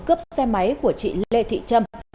cướp xe máy của chị lê thị trâm